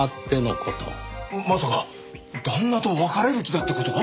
まさか旦那と別れる気だって事か？